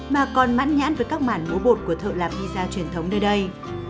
mà còn mãn nhãn với các mản múa bột của thợ làm pizza truyền thống nơi đây